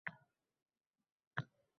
U koʻzingning olovini chiqaraman!